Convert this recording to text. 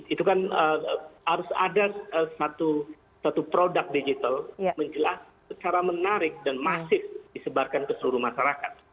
itu kan harus ada satu produk digital menjelaskan secara menarik dan masif disebarkan ke seluruh masyarakat